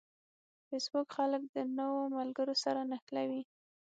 فېسبوک خلک د نوو ملګرو سره نښلوي